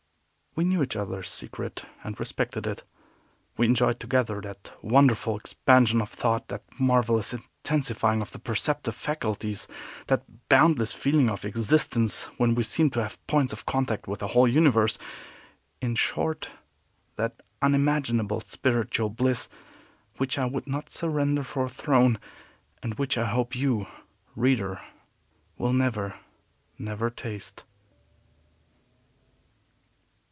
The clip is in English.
We knew each other's secret, and respected it. We enjoyed together that wonderful expansion of thought, that marvelous intensifying of the perceptive faculties, that boundless feeling of existence when we seem to have points of contact with the whole universe, in short, that unimaginable spiritual bliss, which I would not surrender for a throne, and which I hope you, reader, will never never taste.